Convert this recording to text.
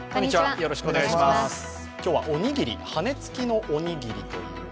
今日はおにぎり、羽根つきのおにぎりと。